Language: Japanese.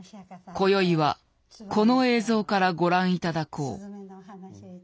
こよいはこの映像からご覧頂こう。